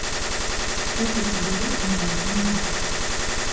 Усё гэта было і не адзін раз.